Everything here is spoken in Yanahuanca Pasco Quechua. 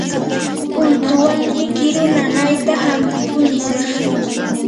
ultuwanmi kiru nanayta hampikuntsik.